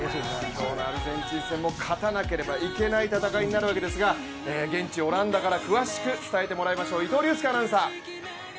今日のアルゼンチン戦も勝たなければいけない戦いになるわけですが現地オランダから詳しく伝えてもらいましょう。